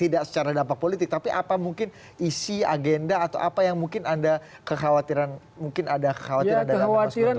tidak secara dampak politik tapi apa mungkin isi agenda atau apa yang mungkin anda kekhawatiran mungkin ada kekhawatiran dampak politik